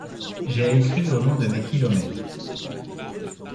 J’ai écrit au long de mes kilomètres.